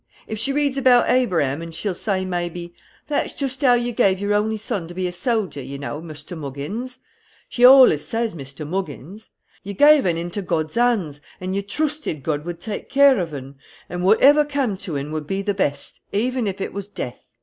If she reads about Abraham, she'll say, maybe, 'That's joost how you gave your only son to be a soldier, you know, Muster Moggins;' she allus says Muster Moggins; 'you gave un into God's hands, and you troosted God would take care of un; and whatever cam' to un would be the best, even if it was death.'